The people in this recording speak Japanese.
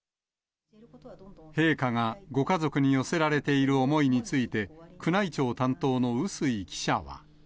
陛下がご家族に寄せられている思いについて、宮内庁担当の笛吹記者は。